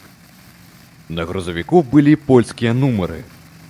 На грузавіку былі польскія нумары.